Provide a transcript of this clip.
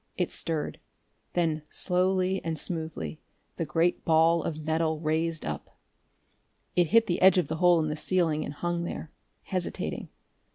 It stirred. Then, slowly and smoothly, the great ball of metal raised up. It hit the edge of the hole in the ceiling, and hung there, hesitating.